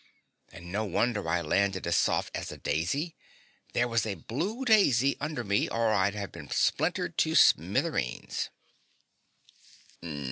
And no wonder I landed as soft as a daisy there was a blue daisy under me or I'd have been splintered to smithereens!"